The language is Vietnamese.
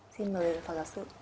xin mời phó giáo sư